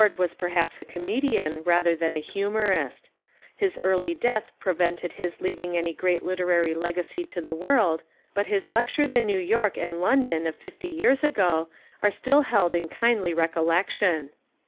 Ward was perhaps a comedian rather than a humorist. His early death prevented his leav ing any great literary legacy to the world, but I20 American Humour his lectures in New York and London of fifty years ago are still held in kindly recollection.